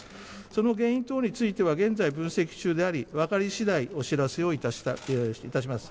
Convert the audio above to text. その原因等については現在分析中でありわかり次第お伝えいたします。